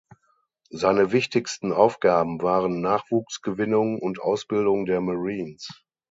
Seine wichtigsten Aufgaben waren Nachwuchsgewinnung und Ausbildung der "Marines".